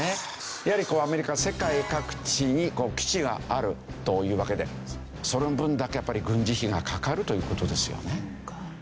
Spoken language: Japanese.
やはりアメリカ世界各地に基地があるというわけでその分だけやっぱり軍事費がかかるという事ですよね。